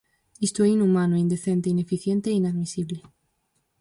¡Isto é inhumano, indecente, ineficiente e inadmisible!